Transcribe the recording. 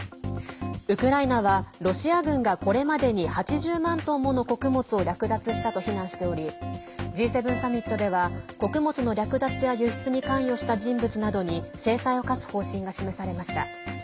ウクライナは、ロシア軍がこれまでに８０万トンもの穀物を略奪したと非難しておりＧ７サミットでは穀物の略奪や輸出に関与した人物などに制裁を科す方針が示されました。